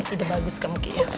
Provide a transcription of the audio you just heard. ide bagus kemungkinan